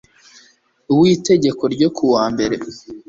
w itegeko ryo ku wa mbere